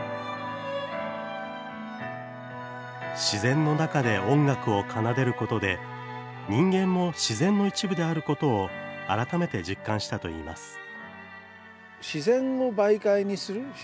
自然の中で音楽を奏でることで、人間も自然の一部であることを改めて実感したといいます。